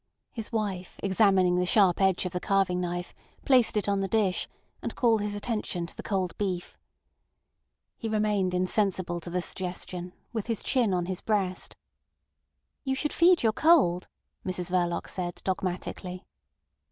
His wife examining the sharp edge of the carving knife, placed it on the dish, and called his attention to the cold beef. He remained insensible to the suggestion, with his chin on his breast. "You should feed your cold," Mrs Verloc said dogmatically.